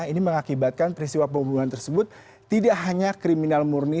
ini mengakibatkan peristiwa pembunuhan tersebut tidak hanya kriminal murni